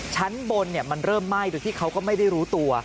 ชั้นบนมันเริ่มไหม้โดยที่เขาก็ไม่ได้รู้ตัว